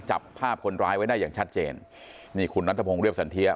จับภาพคนร้ายไว้ได้อย่างชัดเจนนี่คุณนัทพงศ์เรียบสันเทีย